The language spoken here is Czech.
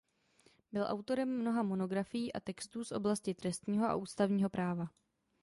Byl autorem mnoha monografií a textů z oblasti trestního a ústavního práva.